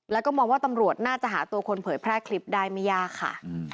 แล้วก็มองว่าตำรวจน่าจะหาตัวคนเผยแพร่คลิปได้ไม่ยากค่ะ